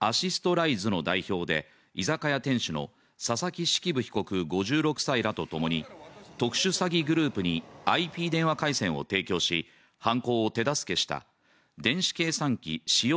ライズの代表で居酒屋店主の佐々木式部被告５６歳らとともに特殊詐欺グループにＩＰ電話回線を提供し、犯行を手助けした電子計算機使用